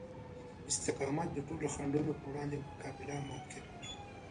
استقامت د ټولو خنډونو په وړاندې مقابله ممکنوي.